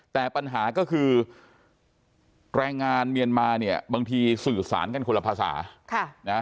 แต่ปัญหาก็คือแรงงานเมียนมาเนี่ยบางทีสื่อสารกันคนละภาษานะ